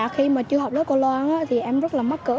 khi mà chưa học lớp của loan thì em rất là mắc cỡ